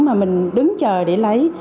mà mình đứng chờ để lấy